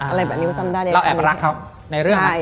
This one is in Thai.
อะไรแบบนี้ว่าจำได้เลยเราแอบรักเขาในเรื่องอะไร